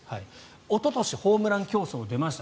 おととしホームラン競争出ました